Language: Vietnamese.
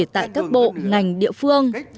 tại các bộ ngành địa phương